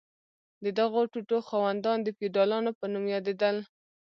د دغو ټوټو خاوندان د فیوډالانو په نوم یادیدل.